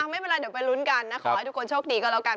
ไม่เป็นไรเดี๋ยวไปลุ้นกันนะขอให้ทุกคนโชคดีก็แล้วกัน